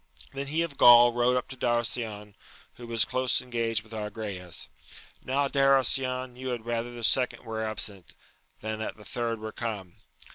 Then he of Gaul rode up to Darasion, who was close engaged with Agrayes :— ^Now Darasion, you had rather the second were absent, than that the thu d were come!